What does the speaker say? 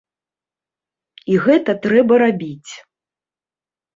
І гэта трэба рабіць.